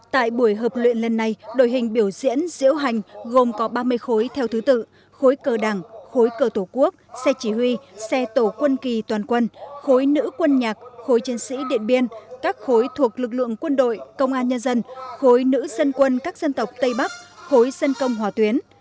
tại buổi hợp luyện lần này đội hình biểu diễn diễu hành gồm có ba mươi khối theo thứ tự khối cờ đảng khối cờ tổ quốc xe chỉ huy xe tổ quân kỳ toàn quân khối nữ quân nhạc khối chân sĩ điện biên các khối thuộc lực lượng quân đội công an nhân dân khối nữ dân quân các dân tộc tây bắc khối dân công hòa tuyến